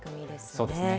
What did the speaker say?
そうですね。